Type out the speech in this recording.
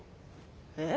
えっ？